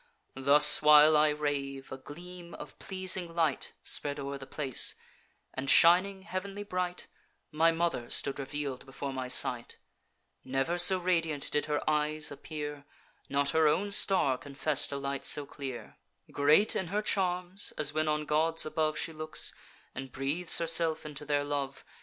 Thus while I rave, a gleam of pleasing light Spread o'er the place; and, shining heav'nly bright, My mother stood reveal'd before my sight Never so radiant did her eyes appear; Not her own star confess'd a light so clear: Great in her charms, as when on gods above She looks, and breathes herself into their love.